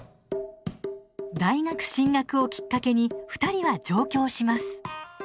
大学進学をきっかけに２人は上京します。